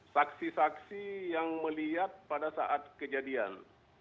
saksi saksi yang melihat pada saat kejadian